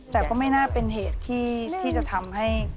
แต่ก็ไม่น่าเป็นเหตุที่จะทำให้